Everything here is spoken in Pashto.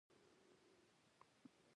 د ازاد لاسرسي وړاندیز ومنل شو.